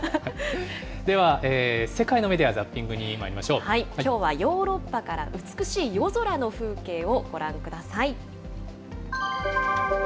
では、世界のメディア・ザッピンきょうはヨーロッパから、美しい夜空の風景をご覧ください。